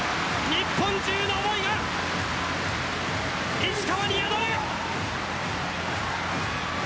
日本中の思いが石川に宿る。